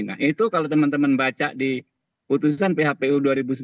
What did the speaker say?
nah itu kalau teman teman baca di putusan phpu dua ribu sembilan belas